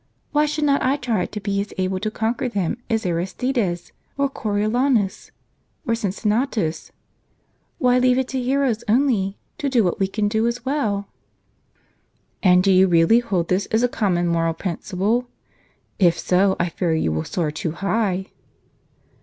Why should not I try to be as able to conquer them as Aristides, or Coriolanus, or Cincinnatus ? Why leave it to heroes only, to do what we can do as well? "" And do you really hold this as a common moral princi ple? If so, I fear you will soar too high."